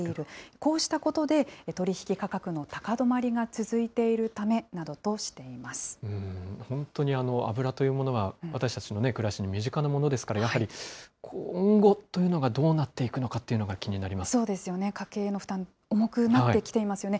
こうしたことで、取引価格の高止まりが続いているためなどとして本当に油というものは、私たちの暮らしに身近なものですから、やはり今後というのがどうなってそうですよね、家計の負担、重くなってきていますよね。